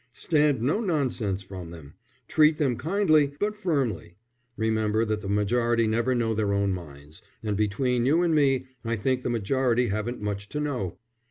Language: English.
Stand no nonsense from them. Treat them kindly, but firmly. Remember that the majority never know their own minds, and between you and me I think the majority haven't much to know."